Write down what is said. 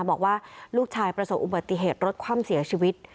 บอกว่าลูกชายประสบอุบัติเหตุรถคว่ำเสียชีวิต